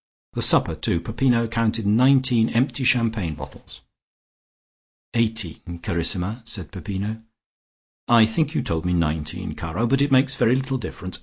The supper too. Peppino counted nineteen empty champagne bottles." "Eighteen, carissima," said Peppino. "I think you told me nineteen, caro, but it makes very little difference.